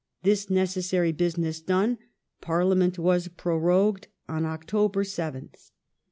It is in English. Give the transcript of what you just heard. This necessary business done, Parliament was prorogued on October 7th.